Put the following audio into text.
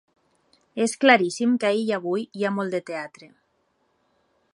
És claríssim que ahir i avui hi ha molt de teatre.